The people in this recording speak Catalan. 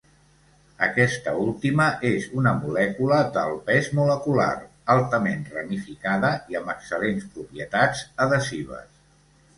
Aquesta última és una molècula d'alt pes molecular, altament ramificada i amb excel·lents propietats adhesives.